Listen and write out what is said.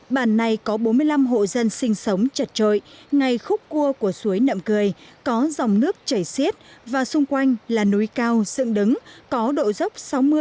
bản này có bốn mươi năm hộ dân sinh sống chật trội ngay khúc cua của suối nậm cười có dòng nước chảy xiết và xung quanh là núi cao sượng đứng có độ dốc sáu mươi bảy mươi